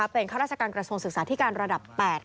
เป็นข้าราชการกระทรวงศึกษาธิการระดับ๘